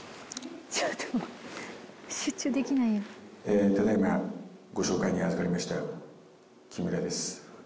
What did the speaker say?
ちょっと待ってえただいまご紹介にあずかりました木村です